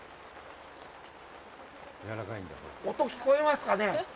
音、聞こえますかね？